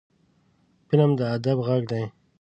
فلم د ادب غږ دی